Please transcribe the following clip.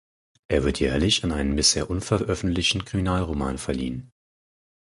Er wird jährlich an einen bisher unveröffentlichten Kriminalroman verliehen.